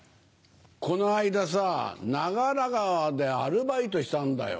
この間さ長良川でアルバイトしたんだよ。